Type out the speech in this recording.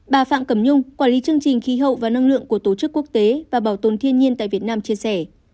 bà phạm cẩm nhung quản lý chương trình khí hậu và năng lượng của tổ chức quốc tế và bảo tồn thiên nhiên tại việt nam chia sẻ